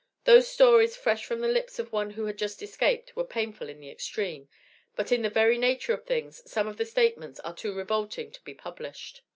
Those stories fresh from the lips of one who had just escaped, were painful in the extreme, but in the very nature of things some of the statements are too revolting to be published.